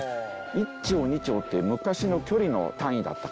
１町２町って昔の距離の単位だったから。